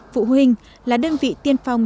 phụ huynh là đơn vị tiên phong